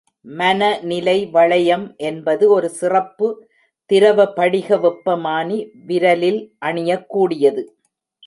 மனநிலை வளையம் என்பது ஒரு சிறப்பு திரவ படிக வெப்பமானி, விரலில் அணியக்கூடியது.